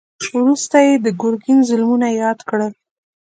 وروسته يې د ګرګين ظلمونه ياد کړل.